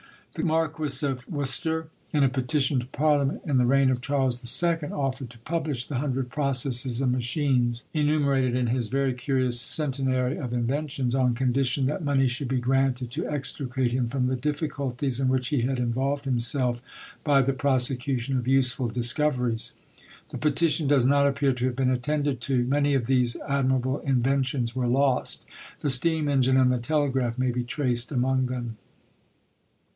The Marquis of Worcester, in a petition to parliament, in the reign of Charles II., offered to publish the hundred processes and machines, enumerated in his very curious "Centenary of Inventions," on condition that money should be granted to extricate him from the difficulties in which he had involved himself by the prosecution of useful discoveries. The petition does not appear to have been attended to! Many of these admirable inventions were lost. The steam engine and the telegraph, may be traced among them.